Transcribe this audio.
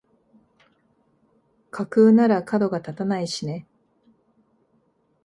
架空ならかどが立たないしね